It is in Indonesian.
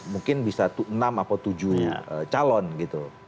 mungkin bisa enam atau tujuh calon gitu